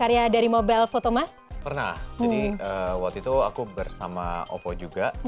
jadi waktu itu aku bersama opo juga